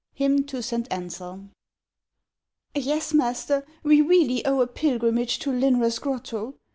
Hymn to Saint Ansclm. ' ~\7"KS, muster, we really owe a pilgrimage to Lyurass A grotto.